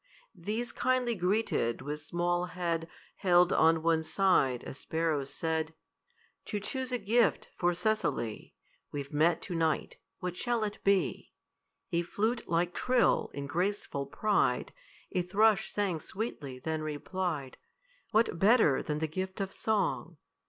These kindly greeted, with small head Held on one side, a sparrow said, "To choose a gift for Cecily We've met to night. What shall it be?" A flute like trill, in graceful pride, A thrush sang sweetly, then replied, "What better than the gift of song?"